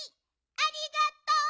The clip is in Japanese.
ありがとう！